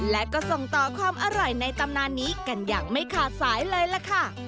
และก็ส่งต่อความอร่อยในตำนานนี้กันอย่างไม่ขาดสายเลยล่ะค่ะ